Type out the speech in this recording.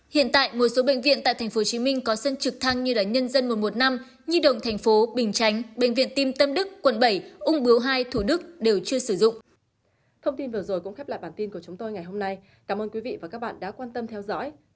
hiện tại một số bệnh viện tại tp hcm có sân trực thăng như là nhân dân một trăm một mươi năm nhi đồng tp bình chánh bệnh viện tim tâm đức quận bảy ung bướu hai thủ đức đều chưa sử dụng